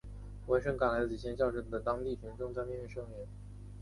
闻声赶来的几千教师的当地群众在面面声援。